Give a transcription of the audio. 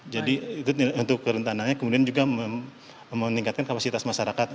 jadi itu untuk kerentanannya kemudian juga meningkatkan kapasitas masyarakat